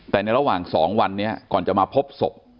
แต่ในระหว่าง๒วันนี้ก่อนจะมาพบศพ